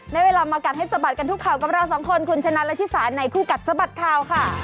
ได้เวลามากัดให้สะบัดกันทุกข่าวกับเราสองคนคุณชนะและชิสาในคู่กัดสะบัดข่าวค่ะ